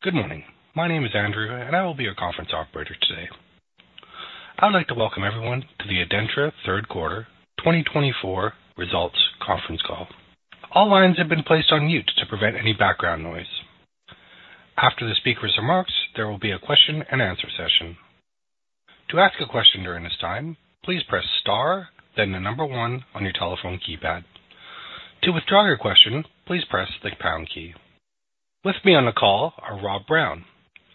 Good morning. My name is Andrew, and I will be your conference operator today. I would like to welcome everyone to the ADENTRA 3rd Quarter 2024 Results Conference Call. All lines have been placed on mute to prevent any background noise. After the speaker's remarks, there will be a question-and-answer session. To ask a question during this time, please press star, then the number one on your telephone keypad. To withdraw your question, please press the pound key. With me on the call are Rob Brown,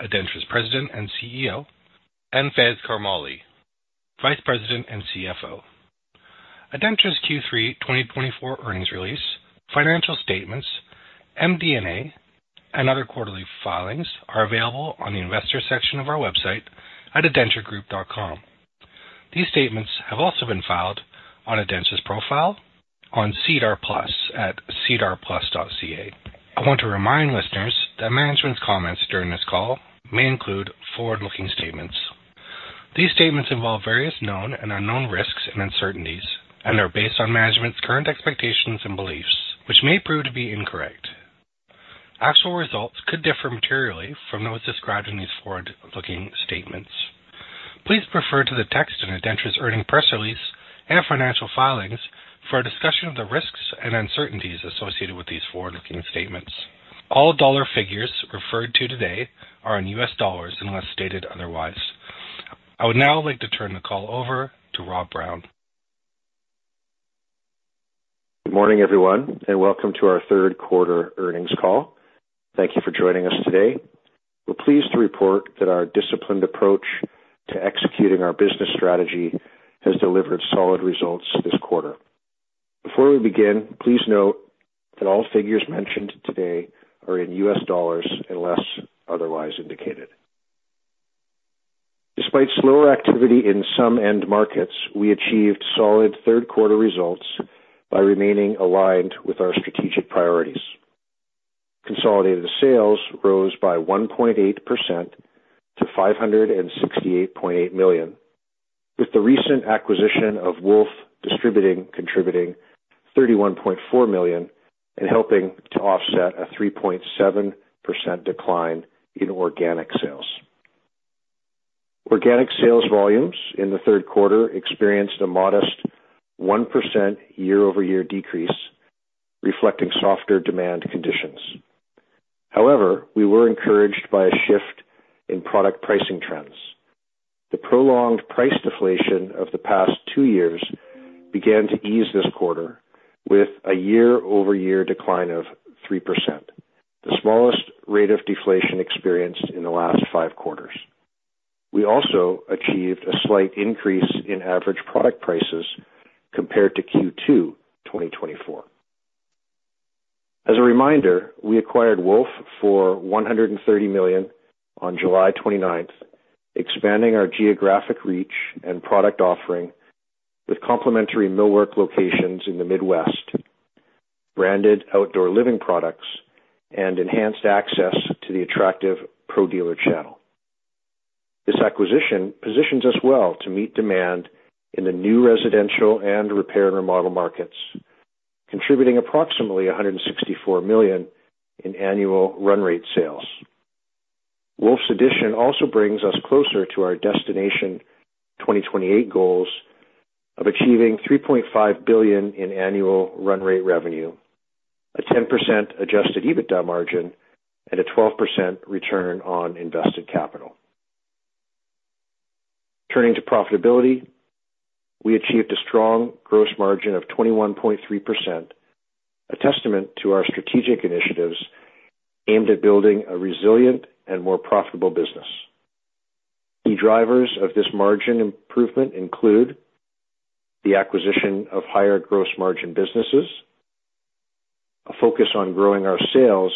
ADENTRA's President and CEO, and Faiz Karmally, Vice President and CFO. ADENTRA's Q3 2024 earnings release, financial statements, MD&A, and other quarterly filings are available on the investor section of our website at adentragroup.com. These statements have also been filed on ADENTRA's profile on SEDAR+ at sedarplus.ca. I want to remind listeners that management's comments during this call may include forward-looking statements. These statements involve various known and unknown risks and uncertainties, and they're based on management's current expectations and beliefs, which may prove to be incorrect. Actual results could differ materially from those described in these forward-looking statements. Please refer to the text in ADENTRA's earnings press release and financial filings for a discussion of the risks and uncertainties associated with these forward-looking statements. All dollar figures referred to today are in US dollars unless stated otherwise. I would now like to turn the call over to Rob Brown. Good morning, everyone, and welcome to our 3rd Quarter earnings call. Thank you for joining us today. We're pleased to report that our disciplined approach to executing our business strategy has delivered solid results this quarter. Before we begin, please note that all figures mentioned today are in US dollars unless otherwise indicated. Despite slower activity in some end markets, we achieved solid 3rd quarter results by remaining aligned with our strategic priorities. Consolidated sales rose by 1.8% to $568.8 million, with the recent acquisition of Woolf Distributing contributing $31.4 million and helping to offset a 3.7% decline in organic sales. Organic sales volumes in the 3rd quarter experienced a modest 1% year-over-year decrease, reflecting softer demand conditions. However, we were encouraged by a shift in product pricing trends. The prolonged price deflation of the past two years began to ease this quarter with a year-over-year decline of 3%, the smallest rate of deflation experienced in the last five quarters. We also achieved a slight increase in average product prices compared to Q2 2024. As a reminder, we acquired Woolf for $130 million on July 29th, expanding our geographic reach and product offering with complementary millwork locations in the Midwest, branded outdoor living products, and enhanced access to the attractive ProDealer channel. This acquisition positions us well to meet demand in the new residential and repair and remodel markets, contributing approximately $164 million in annual run rate sales. Woolf's addition also brings us closer to our Destination 2028 goals of achieving $3.5 billion in annual run rate revenue, a 10% Adjusted EBITDA margin, and a 12% Return on Invested Capital. Turning to profitability, we achieved a strong gross margin of 21.3%, a testament to our strategic initiatives aimed at building a resilient and more profitable business. Key drivers of this margin improvement include the acquisition of higher gross margin businesses, a focus on growing our sales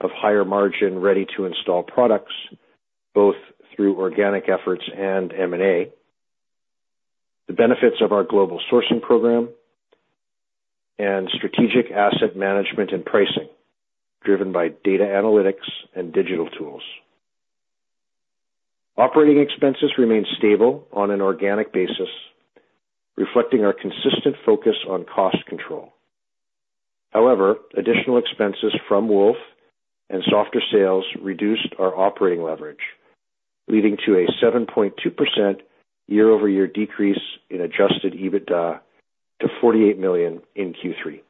of higher margin ready-to-install products, both through organic efforts and M&A, the benefits of our global sourcing program, and strategic asset management and pricing driven by data analytics and digital tools. Operating expenses remained stable on an organic basis, reflecting our consistent focus on cost control. However, additional expenses from Woolf and softer sales reduced our operating leverage, leading to a 7.2% year-over-year decrease in adjusted EBITDA to $48 million in Q3.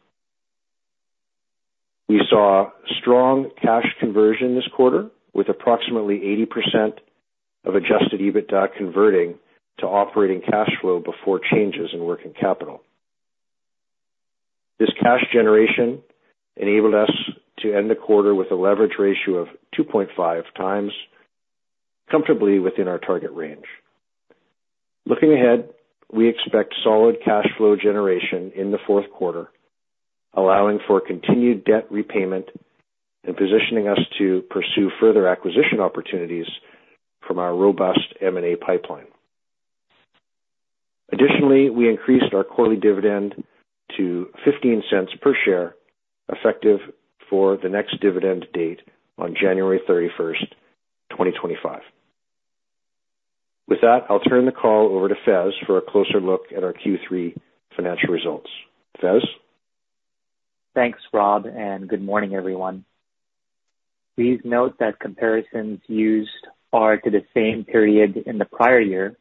We saw strong cash conversion this quarter, with approximately 80% of adjusted EBITDA converting to operating cash flow before changes in working capital. This cash generation enabled us to end the quarter with a leverage ratio of 2.5 times, comfortably within our target range. Looking ahead, we expect solid cash flow generation in the fourth quarter, allowing for continued debt repayment and positioning us to pursue further acquisition opportunities from our robust M&A pipeline. Additionally, we increased our quarterly dividend to $0.15 per share, effective for the next dividend date on January 31st, 2025. With that, I'll turn the call over to Faiz for a closer look at our Q3 financial results. Faiz? Thanks, Rob, and good morning, everyone. Please note that comparisons used are to the same period in the prior year,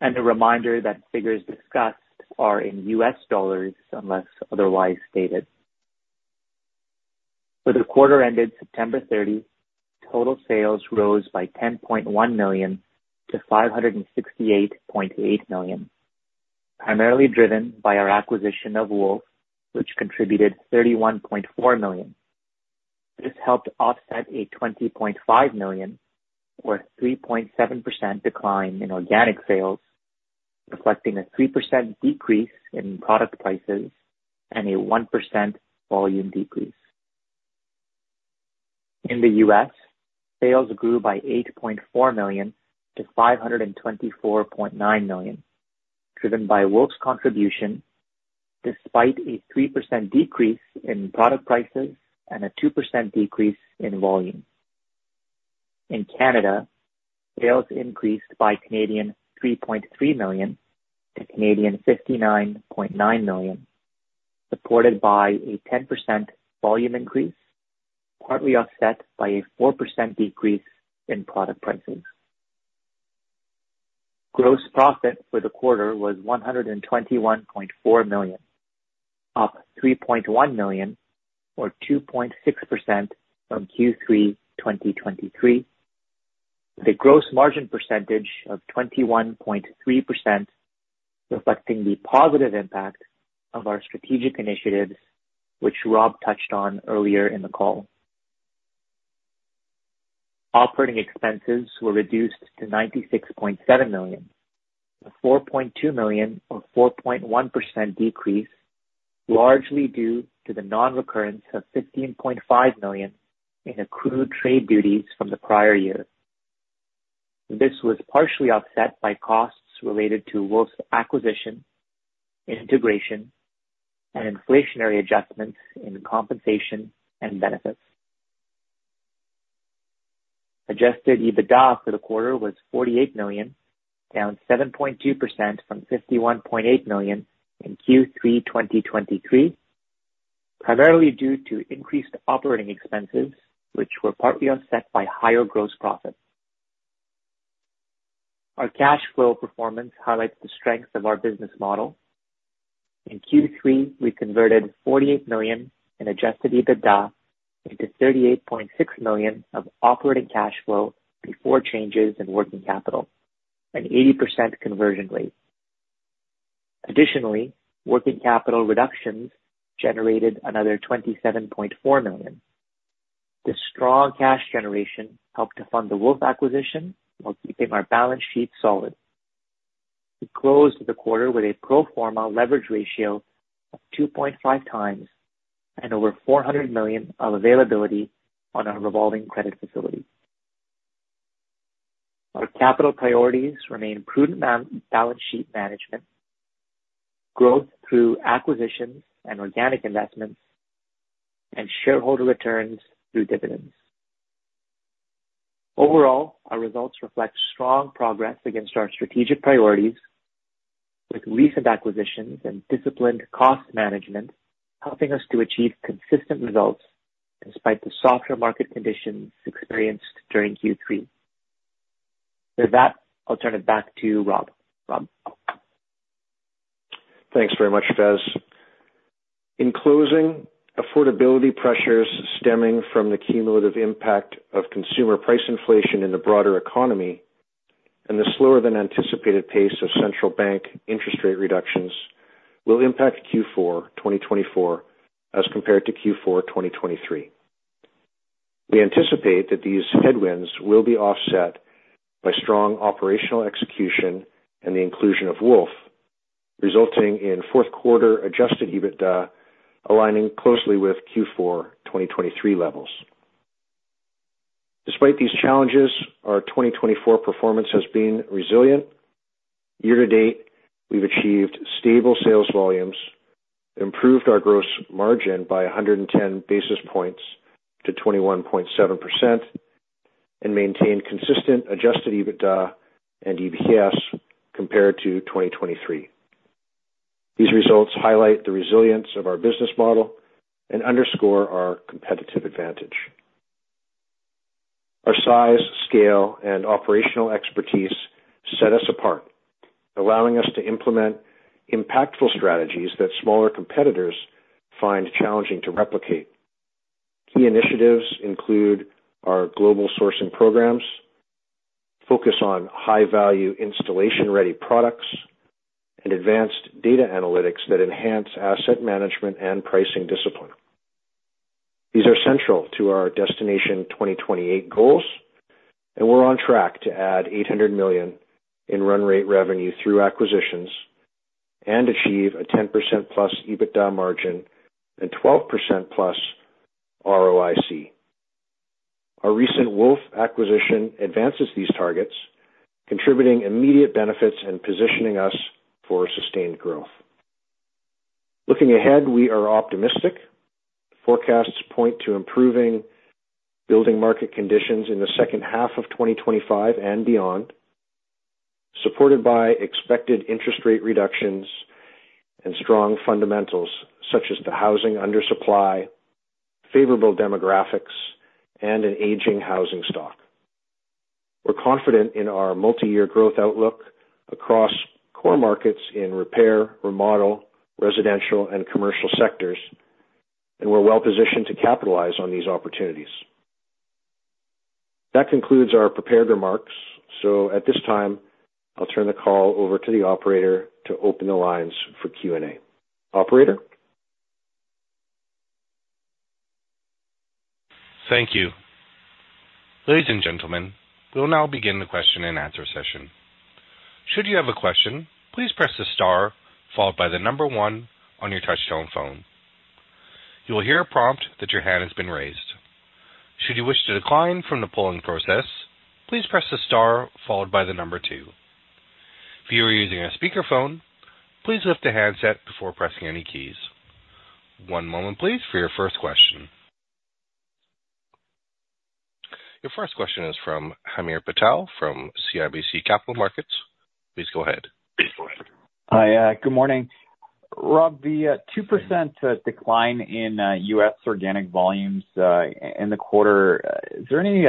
and a reminder that figures discussed are in US dollars unless otherwise stated. For the quarter ended September 30th, total sales rose by $10.1 million-$568.8 million, primarily driven by our acquisition of Woolf, which contributed $31.4 million. This helped offset a $20.5 million, or 3.7%, decline in organic sales, reflecting a 3% decrease in product prices and a 1% volume decrease. In the US, sales grew by $8.4 million-$524.9 million, driven by Woolf's contribution, despite a 3% decrease in product prices and a 2% volume decrease. In Canada, sales increased by 3.3 million-59.9 million, supported by a 10% volume increase, partly offset by a 4% decrease in product prices. Gross profit for the quarter was $121.4 million, up $3.1 million, or 2.6%, from Q3 2023, with a gross margin percentage of 21.3%, reflecting the positive impact of our strategic initiatives, which Rob touched on earlier in the call. Operating expenses were reduced to $96.7 million, a $4.2 million, or 4.1%, decrease, largely due to the non-recurrence of $15.5 million in accrued trade duties from the prior year. This was partially offset by costs related to Woolf's acquisition, integration, and inflationary adjustments in compensation and benefits. Adjusted EBITDA for the quarter was $48 million, down 7.2%, from $51.8 million in Q3 2023, primarily due to increased operating expenses, which were partly offset by higher gross profits. Our cash flow performance highlights the strength of our business model. In Q3, we converted $48 million in Adjusted EBITDA into $38.6 million of operating cash flow before changes in working capital, an 80% conversion rate. Additionally, working capital reductions generated another $27.4 million. This strong cash generation helped to fund the Woolf acquisition while keeping our balance sheet solid. We closed the quarter with a pro forma leverage ratio of 2.5 times and over $400 million of availability on our revolving credit facility. Our capital priorities remain prudent balance sheet management, growth through acquisitions and organic investments, and shareholder returns through dividends. Overall, our results reflect strong progress against our strategic priorities, with recent acquisitions and disciplined cost management helping us to achieve consistent results despite the softer market conditions experienced during Q3. With that, I'll turn it back to Rob. Rob. Thanks very much, Faiz. In closing, affordability pressures stemming from the cumulative impact of consumer price inflation in the broader economy and the slower-than-anticipated pace of central bank interest rate reductions will impact Q4 2024 as compared to Q4 2023. We anticipate that these headwinds will be offset by strong operational execution and the inclusion of Woolf, resulting in fourth-quarter adjusted EBITDA aligning closely with Q4 2023 levels. Despite these challenges, our 2024 performance has been resilient. Year-to-date, we've achieved stable sales volumes, improved our gross margin by 110 basis points to 21.7%, and maintained consistent adjusted EBITDA and EPS compared to 2023. These results highlight the resilience of our business model and underscore our competitive advantage. Our size, scale, and operational expertise set us apart, allowing us to implement impactful strategies that smaller competitors find challenging to replicate. Key initiatives include our global sourcing programs, focus on high-value installation-ready products, and advanced data analytics that enhance asset management and pricing discipline. These are central to our Destination 2028 goals, and we're on track to add $800 million in run rate revenue through acquisitions and achieve a 10%-plus EBITDA margin and 12%-plus ROIC. Our recent Woolf acquisition advances these targets, contributing immediate benefits and positioning us for sustained growth. Looking ahead, we are optimistic. Forecasts point to improving building market conditions in the second half of 2025 and beyond, supported by expected interest rate reductions and strong fundamentals such as the housing undersupply, favorable demographics, and an aging housing stock. We're confident in our multi-year growth outlook across core markets in repair, remodel, residential, and commercial sectors, and we're well-positioned to capitalize on these opportunities. That concludes our prepared remarks, so at this time, I'll turn the call over to the operator to open the lines for Q&A. Operator? Thank you. Ladies and gentlemen, we'll now begin the question-and-answer session. Should you have a question, please press the star followed by the number one on your touch-tone phone. You will hear a prompt that your hand has been raised. Should you wish to decline from the polling process, please press the star followed by the number two. If you are using a speakerphone, please lift the handset before pressing any keys. One moment, please, for your first question. Your first question is from Hamir Patel from CIBC Capital Markets. Please go ahead. Hi, good morning. Rob, the 2% decline in U.S. organic volumes in the quarter, is there any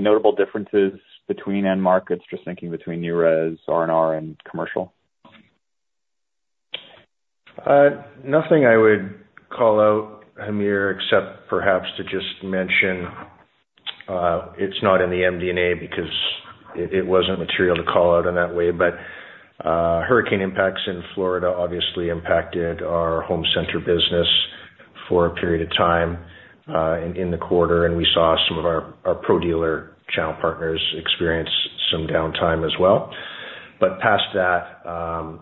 notable differences between end markets, just thinking between new res, R&R, and commercial? Nothing I would call out, Hamir, except perhaps to just mention it's not in the MD&A because it wasn't material to call out in that way. But hurricane impacts in Florida obviously impacted our home center business for a period of time in the quarter, and we saw some of our ProDealer channel partners experience some downtime as well, but past that,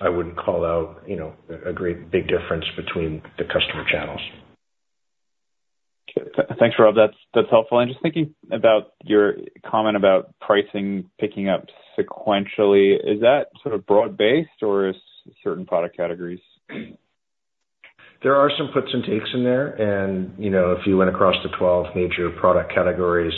I wouldn't call out a great big difference between the customer channels. Thanks, Rob. That's helpful. And just thinking about your comment about pricing picking up sequentially, is that sort of broad-based, or is certain product categories? There are some puts and takes in there, and if you went across the 12 major product categories,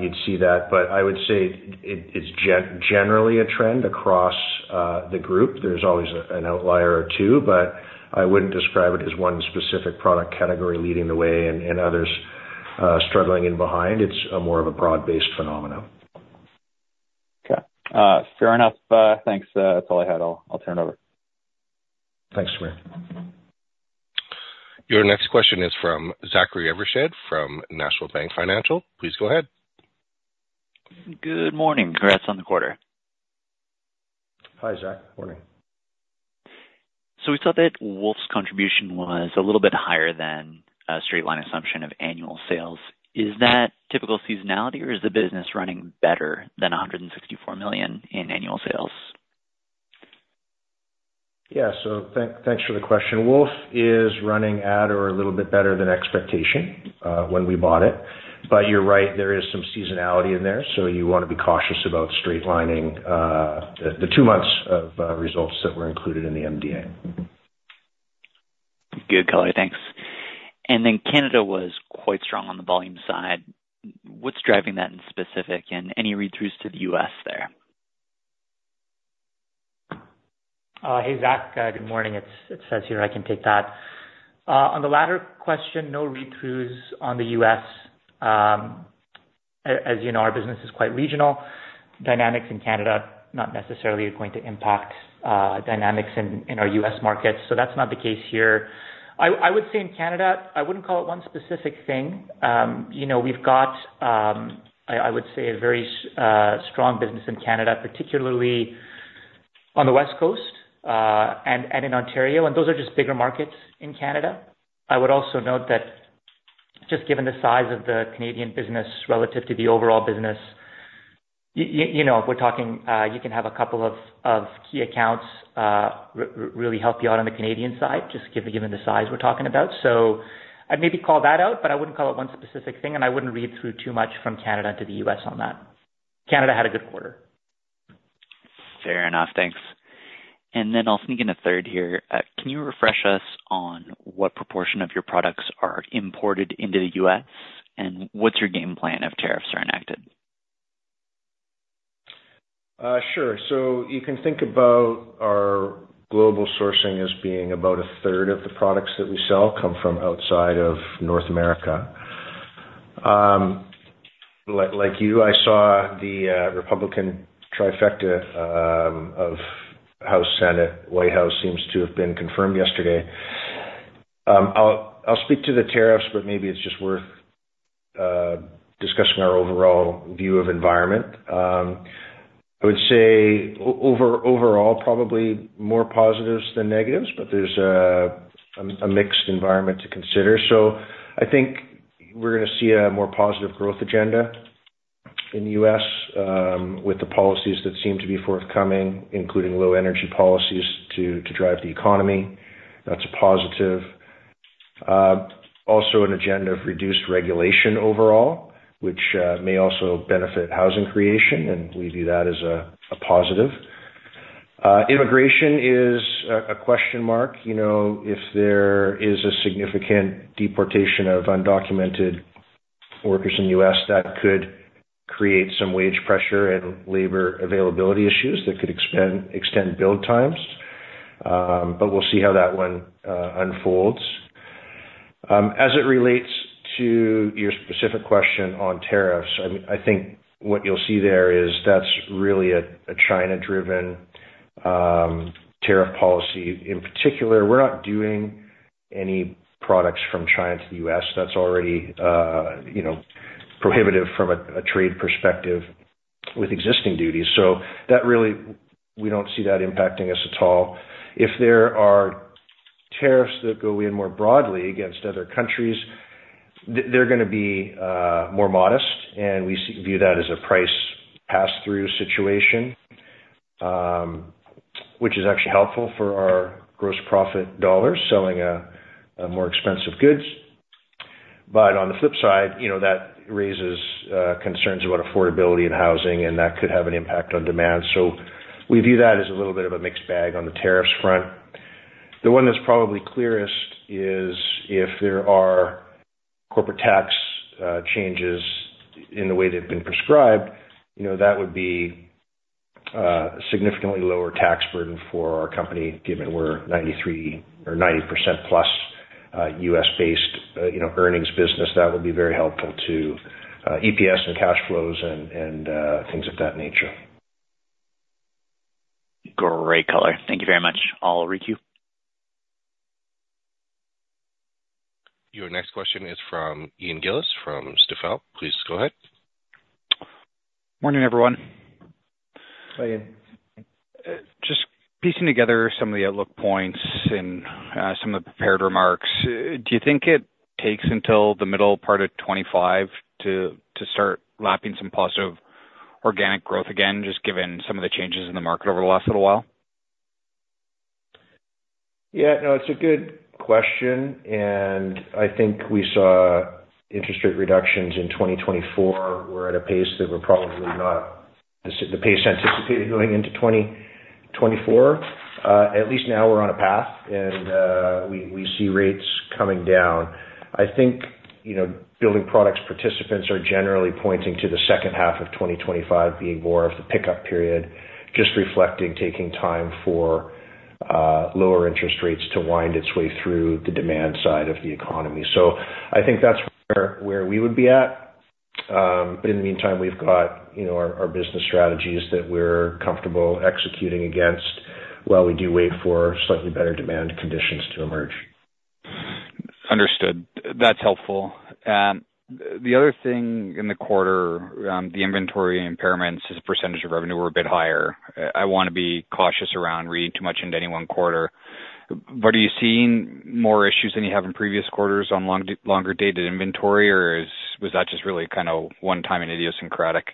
you'd see that. But I would say it's generally a trend across the group. There's always an outlier or two, but I wouldn't describe it as one specific product category leading the way and others struggling in behind. It's more of a broad-based phenomenon. Okay. Fair enough. Thanks. That's all I had. I'll turn it over. Thanks, Hamir. Your next question is from Zachary Evershed from National Bank Financial. Please go ahead. Good morning. Congrats on the quarter. Hi, Zach. Morning. So we saw that Woolf's contribution was a little bit higher than a straight-line assumption of annual sales. Is that typical seasonality, or is the business running better than $164 million in annual sales? Yeah. So thanks for the question. Woolf is running at or a little bit better than expectation when we bought it. But you're right, there is some seasonality in there, so you want to be cautious about straight-lining the two months of results that were included in the MD&A. Good color. Thanks. And then Canada was quite strong on the volume side. What's driving that in specific, and any read-throughs to the U.S. there? Hey, Zach. Good morning. Its Faiz here, and I can take that. On the latter question, no read-throughs on the U.S. As you know, our business is quite regional. Dynamics in Canada not necessarily going to impact dynamics in our US markets. So that's not the case here. I would say in Canada, I wouldn't call it one specific thing. We've got, I would say, a very strong business in Canada, particularly on the West Coast and in Ontario, and those are just bigger markets in Canada. I would also note that just given the size of the Canadian business relative to the overall business, we're talking you can have a couple of key accounts really help you out on the Canadian side, just given the size we're talking about. So I'd maybe call that out, but I wouldn't call it one specific thing, and I wouldn't read through too much from Canada to the U.S. on that. Canada had a good quarter. Fair enough. Thanks. And then I'll sneak in a third here. Can you refresh us on what proportion of your products are imported into the U.S., and what's your game plan if tariffs are enacted? Sure. So you can think about our global sourcing as being about a third of the products that we sell come from outside of North America. Like you, I saw the Republican trifecta of House, Senate, White House seems to have been confirmed yesterday. I'll speak to the tariffs, but maybe it's just worth discussing our overall view of environment. I would say overall, probably more positives than negatives, but there's a mixed environment to consider. So I think we're going to see a more positive growth agenda in the U.S. with the policies that seem to be forthcoming, including low-energy policies to drive the economy. That's a positive. Also, an agenda of reduced regulation overall, which may also benefit housing creation, and we view that as a positive. Immigration is a question mark. If there is a significant deportation of undocumented workers in the U.S., that could create some wage pressure and labor availability issues that could extend build times. But we'll see how that one unfolds. As it relates to your specific question on tariffs, I think what you'll see there is that's really a China-driven tariff policy. In particular, we're not doing any products from China to the U.S. That's already prohibitive from a trade perspective with existing duties. So we don't see that impacting us at all. If there are tariffs that go in more broadly against other countries, they're going to be more modest, and we view that as a price pass-through situation, which is actually helpful for our gross profit dollars selling more expensive goods. But on the flip side, that raises concerns about affordability and housing, and that could have an impact on demand. So we view that as a little bit of a mixed bag on the tariffs front. The one that's probably clearest is if there are corporate tax changes in the way they've been prescribed, that would be a significantly lower tax burden for our company, given we're 93% or 90%-plus U.S.-based earnings business. That would be very helpful to EPS and cash flows and things of that nature. Great color. Thank you very much. I'll read you. Your next question is from Ian Gillis from Stifel. Please go ahead. Morning, everyone. Hi, Ian. Just piecing together some of the outlook points and some of the prepared remarks, do you think it takes until the middle part of 2025 to start wrapping some positive organic growth again, just given some of the changes in the market over the last little while? Yeah. No, it's a good question. And I think we saw interest rate reductions in 2024. We're at a pace that we're probably not the pace anticipated going into 2024. At least now we're on a path, and we see rates coming down. I think building products participants are generally pointing to the second half of 2025 being more of the pickup period, just reflecting taking time for lower interest rates to wind its way through the demand side of the economy. So I think that's where we would be at. But in the meantime, we've got our business strategies that we're comfortable executing against while we do wait for slightly better demand conditions to emerge. Understood. That's helpful. The other thing in the quarter, the inventory impairments as a percentage of revenue were a bit higher. I want to be cautious around reading too much into any one quarter. But are you seeing more issues than you have in previous quarters on longer-dated inventory, or was that just really kind of one-time and idiosyncratic?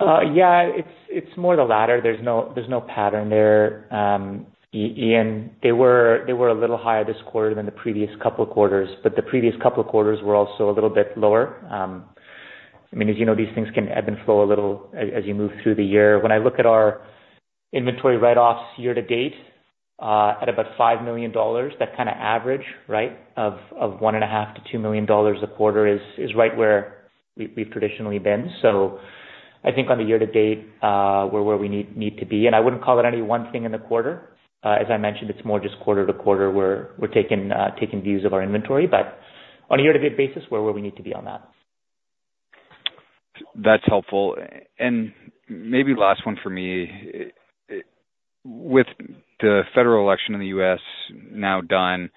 Yeah. It's more the latter. There's no pattern there. Ian, they were a little higher this quarter than the previous couple of quarters, but the previous couple of quarters were also a little bit lower. I mean, as you know, these things can ebb and flow a little as you move through the year. When I look at our inventory write-offs year to date at about $5 million, that kind of average, right, of $1.5-$2 million a quarter is right where we've traditionally been. So I think on the year to date, we're where we need to be. And I wouldn't call it any one thing in the quarter. As I mentioned, it's more just quarter to quarter where we're taking views of our inventory. But on a year-to-date basis, we're where we need to be on that. That's helpful. And maybe last one for me. With the federal election in the U.S. now done,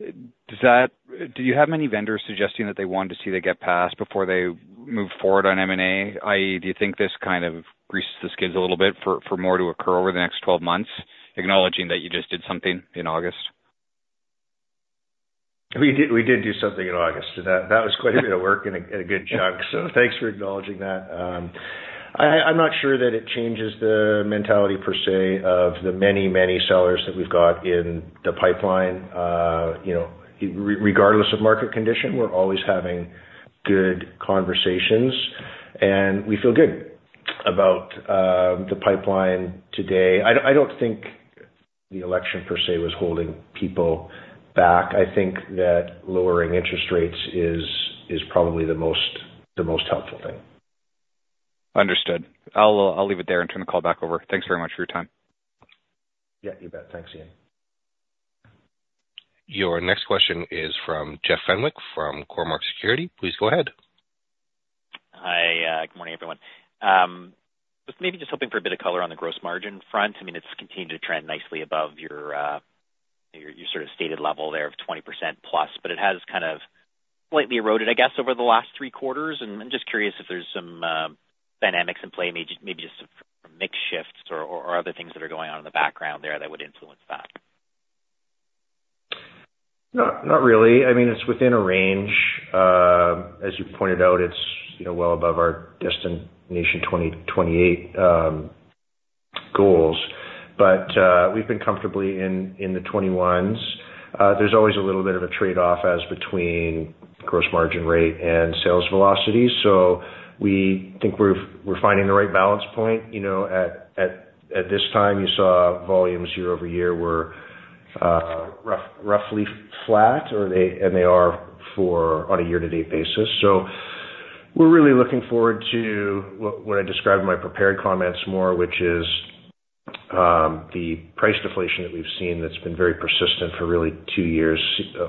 do you have many vendors suggesting that they want to see that get passed before they move forward on M&A? i.e., do you think this kind of greases the skids a little bit for more to occur over the next 12 months, acknowledging that you just did something in August? We did do something in August. That was quite a bit of work and a good chunk. So thanks for acknowledging that. I'm not sure that it changes the mentality per se of the many, many sellers that we've got in the pipeline. Regardless of market condition, we're always having good conversations, and we feel good about the pipeline today. I don't think the election per se was holding people back. I think that lowering interest rates is probably the most helpful thing. Understood. I'll leave it there and turn the call back over. Thanks very much for your time. Yeah, you bet. Thanks, Ian. Your next question is from Jeff Fenwick from Cormark Securities. Please go ahead. Hi. Good morning, everyone. Maybe just hoping for a bit of color on the gross margin front. I mean, it's continued to trend nicely above your sort of stated level there of 20% plus, but it has kind of slightly eroded, I guess, over the last three quarters, and I'm just curious if there's some dynamics in play, maybe just some mix shifts or other things that are going on in the background there that would influence that. Not really. I mean, it's within a range. As you pointed out, it's well above our Destination 2028 goals. But we've been comfortably in the 21s. There's always a little bit of a trade-off as between gross margin rate and sales velocity. So we think we're finding the right balance point. At this time, you saw volumes year-over-year were roughly flat, and they are on a year-to-date basis. So we're really looking forward to what I described in my prepared comments more, which is the price deflation that we've seen that's been very persistent for really two years.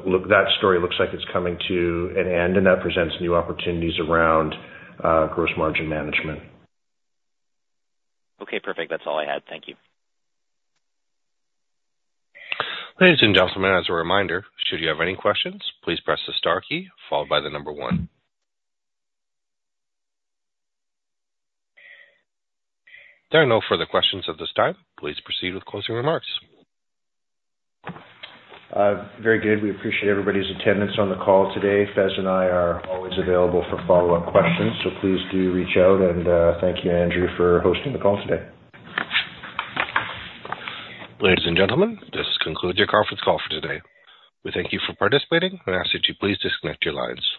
That story looks like it's coming to an end, and that presents new opportunities around gross margin management. Okay. Perfect. That's all I had. Thank you. Ladies and gentlemen, as a reminder, should you have any questions, please press the star key followed by the number one. There are no further questions at this time. Please proceed with closing remarks. Very good. We appreciate everybody's attendance on the call today. Faiz and I are always available for follow-up questions, so please do reach out, and thank you, Andrew, for hosting the call today. Ladies and gentlemen, this concludes your conference call for today. We thank you for participating and ask that you please disconnect your lines.